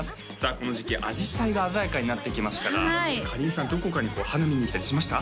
この時期アジサイが鮮やかになってきましたがかりんさんどこかに花見に行ったりしました？